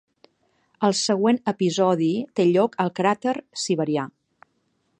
El següent episodi té lloc al cràter siberià.